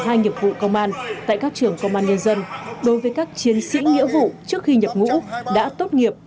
công an nhập vụ công an tại các trường công an nhân dân đối với các chiến sĩ nghĩa vụ trước khi nhập ngũ đã tốt nghiệp